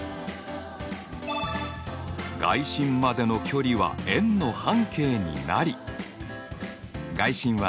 外心までの距離は円の半径になり外心は各辺の垂直二等